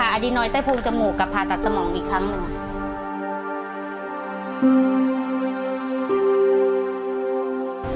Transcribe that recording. อดีน้อยใต้โพงจมูกกับผ่าตัดสมองอีกครั้งหนึ่งค่ะ